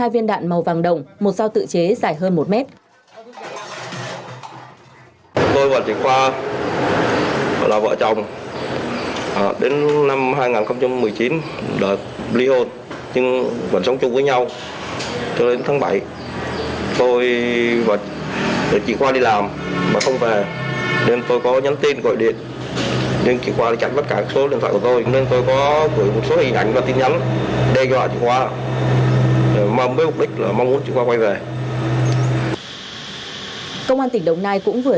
ba mươi hai viên đạn màu vàng đồng một sao tự chế